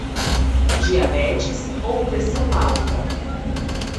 Diabetes ou pressão alta?